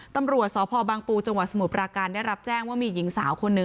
ตำรวจสพบังปูจังหวัดสมุทรปราการได้รับแจ้งว่ามีหญิงสาวคนหนึ่ง